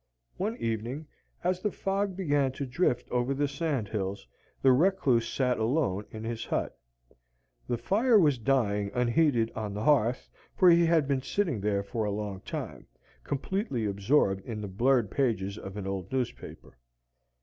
One evening, as the fog began to drift over the sand hills, the recluse sat alone in his hut. The fire was dying unheeded on the hearth, for he had been sitting there for a long time, completely absorbed in the blurred pages of an old newspaper.